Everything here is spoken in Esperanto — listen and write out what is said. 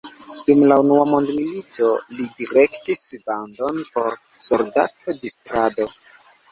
Dum la Unua Mondmilito li direktis bandon por soldato-distrado.